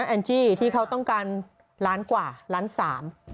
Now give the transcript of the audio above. แอนจี้ที่เขาต้องการล้านกว่าล้านสาม